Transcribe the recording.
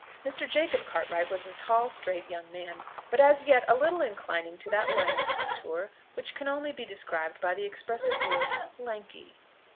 Mr. Jacob Cartwright was a tall, straight, young man, but as yet a little inclining to that line of contour, which can only be described by the expressive word lanky.